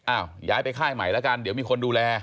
ย้ายไปค่ายใหม่แล้วกันเดี๋ยวมีคนดูแล